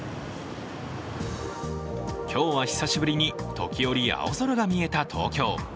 今日は久しぶりに、時折青空が見えた東京。